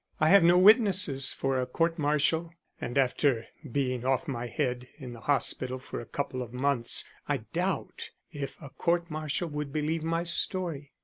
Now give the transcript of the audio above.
I have no witnesses for a court martial, and after being off my head in the hospital for a couple of months I doubt if a court martial would believe my story.